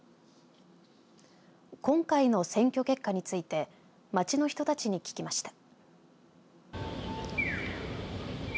今回の選挙結果について街の人たちに聞きました。